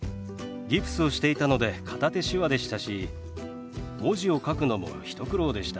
ギプスをしていたので片手手話でしたし文字を書くのも一苦労でした。